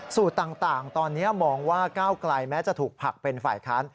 สูตรต่างตอนนี้มองว่าก้าวไกลแม้จะถูกผลักเป็นฝ่ายค้าน